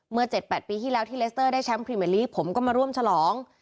๗๘ปีที่แล้วที่เลสเตอร์ได้แชมป์พรีเมอร์ลีผมก็มาร่วมฉลอง